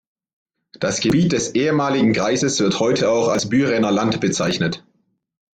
Das Gebiet des ehemaligen Kreises wird heute auch als Bürener Land bezeichnet.